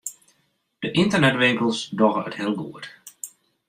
De ynternetwinkels dogge it heel goed.